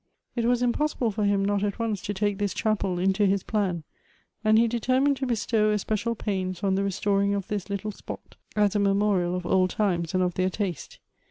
It was impossible for him not at once to take this chapel into his plan ; and he determined to bestow espe cial pains on the restoring of this little spot, as a memo rial of old times, and of their taste.